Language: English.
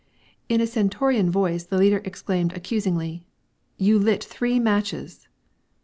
In a stentorian voice the leader exclaimed accusingly: "You lit three matches."